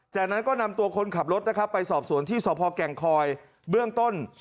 จากนั้นก็นำตัวคนขับรถนะครับไปสอบสวนที่สพแก่งคอยเบื้องต้น